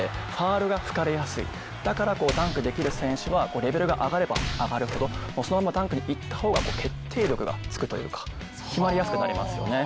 だからダンクできる選手はレベルが上がれば上がるほどそのままダンクに行ったほうが決定力がつくというか決まりやすくなりますよね。